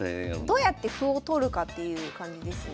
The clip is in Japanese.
どうやって歩を取るかっていう感じですね。